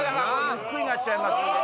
ゆっくりになっちゃいますんでね。